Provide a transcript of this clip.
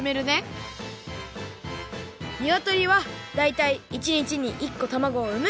にわとりはだいたい１にちに１こたまごをうむ。